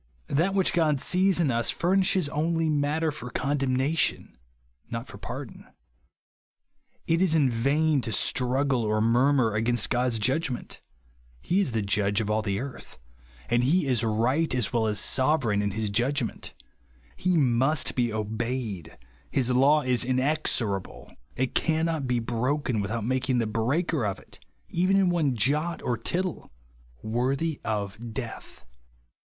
That which God sees in us furnishes only matter for condemnation, not for pardon. It IS vain to strus^G^le or murmur as^ainst God's judgment He is the Judge of all 10 man's own cHy racter the eartli; and he is right as well as sove reign in h is j udgment. He must be obeyed ; his law is inexorable ; it cannot be broken ^v'ithout making the breaker of it (even in one jot or tittle) worthy of death.